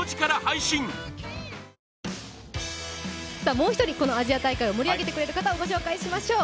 もう１人、このアジア大会を盛り上げてくれる方をご紹介しましょう。